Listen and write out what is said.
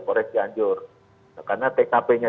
pores cianjur karena tkp nya